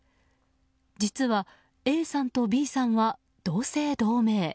実はＡさんとＢさんは同姓同名。